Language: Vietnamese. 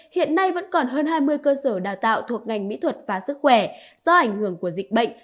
hiện nay vẫn còn hơn hai mươi cơ sở đào tạo thuộc ngành mỹ thuật và sức khỏe do ảnh hưởng của dịch bệnh